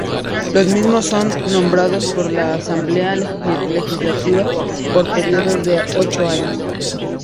Los mismos son nombrados por la Asamblea Legislativa por períodos de ocho años.